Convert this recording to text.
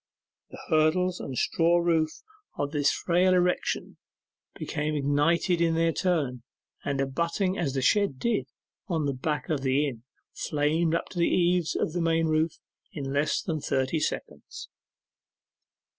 The hurdles and straw roof of the frail erection became ignited in their turn, and abutting as the shed did on the back of the inn, flamed up to the eaves of the main roof in less than thirty seconds.